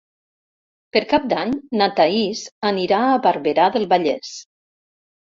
Per Cap d'Any na Thaís anirà a Barberà del Vallès.